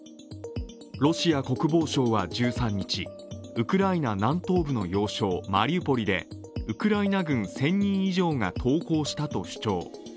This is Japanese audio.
ロシア国防省は、１３日、ウクライナ南東部の要衝マリウポリでウクライナ軍１０００人以上が投降したと主張。